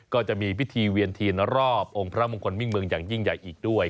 ก็จะมีพิธีเวียนเทียนรอบองค์พระมงคลมิ่งเมืองอย่างยิ่งใหญ่อีกด้วย